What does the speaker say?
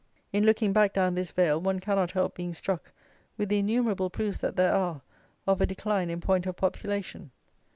In looking back down this vale one cannot help being struck with the innumerable proofs that there are of a decline in point of population.